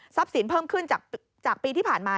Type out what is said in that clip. สินเพิ่มขึ้นจากปีที่ผ่านมา